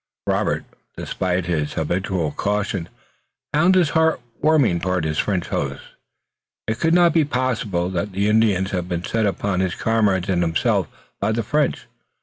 Robert, despite his habitual caution, found his heart warming toward his French hosts. It could not be possible that the Indians had been set upon his comrades and himself by the French!